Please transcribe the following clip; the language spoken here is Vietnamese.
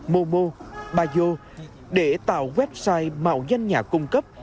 mobo bayo để tạo website mạo danh nhà cung cấp